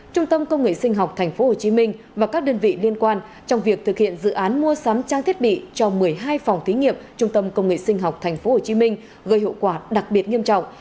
trung tâm công nghệ sinh học tp hcm và các đơn vị liên quan trong việc thực hiện dự án mua sắm trang thiết bị cho một mươi hai phòng thí nghiệm trung tâm công nghệ sinh học tp hcm gây hậu quả đặc biệt nghiêm trọng